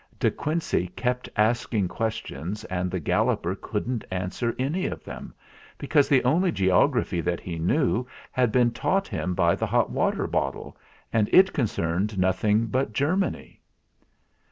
De Quincey kept asking questions, and the Galloper couldn't answer any of them, because the only geography that he knew had been taught him by the hot water bottle, and it con cerned nothing but Germany.